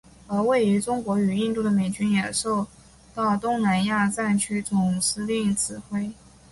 而位于中国与印度的美军也不受到东南亚战区总司令指挥。